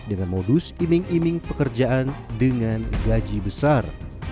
dengan modus iming iming pekerjaan dengan gaji besar